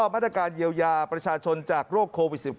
มาตรการเยียวยาประชาชนจากโรคโควิด๑๙